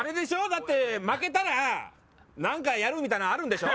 だって負けたらなんかやるみたいなのあるんでしょ？